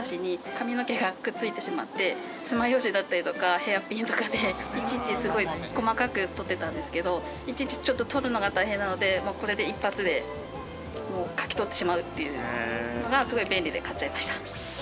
爪楊枝だったりとかヘアピンとかでいちいち細かく取ってたんですけどいちいち取るのが大変なのでこれで一発でかき取ってしまうっていうのがすごい便利で買っちゃいました。